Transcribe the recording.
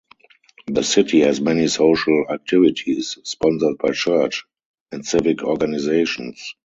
The city has many social activities sponsored by church and civic organizations.